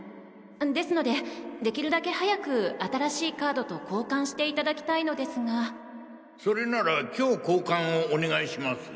ですのでできるだけ早く新しいカードと交換していただきたいのですがそれなら今日交換をお願いします